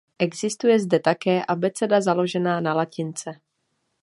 Existuje zde také abeceda založená na latince.